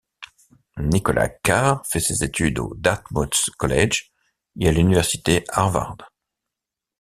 Nicholas Carr fait ses études au Dartmouth College et à l'université Harvard.